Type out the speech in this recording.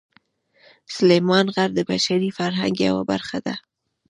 سلیمان غر د بشري فرهنګ یوه برخه ده.